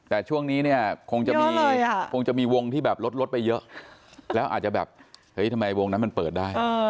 แต่ช่วงนี้เนี่ยคงจะมีคงจะมีวงที่แบบลดไปเยอะแล้วอาจจะแบบเฮ้ยทำไมวงนั้นมันเปิดได้